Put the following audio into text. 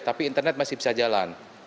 tapi internet masih bisa jalan